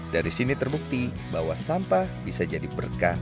dari sini terbukti bahwa sampah bisa jadi berkah